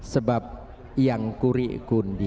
sebab yang kurik kundi